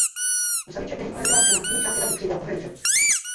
U samiček není oranžová skvrna v horní části zadních křídel ohraničena.